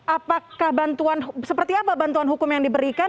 apakah bantuan seperti apa bantuan hukum yang diberikan